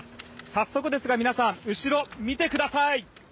早速ですが皆さん後ろ、見てください！